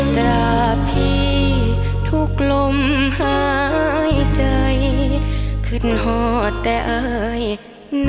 ตราบที่ทุกลมหายใจขึ้นหอดแต่ไอ้นั้น